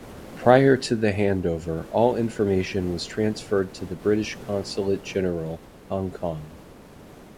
Prior to the handover, all information was transferred to the British Consulate-General, Hong Kong.